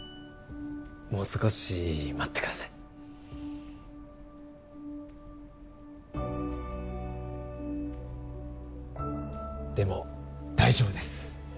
もう少し待ってくださいでも大丈夫です